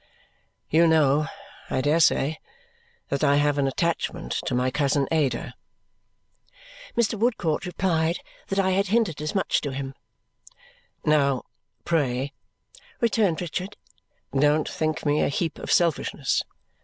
You know, I dare say, that I have an attachment to my cousin Ada?" Mr. Woodcourt replied that I had hinted as much to him. "Now pray," returned Richard, "don't think me a heap of selfishness.